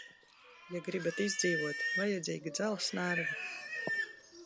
Ja gribat izdzīvot, vajadzīgi dzelzs nervi.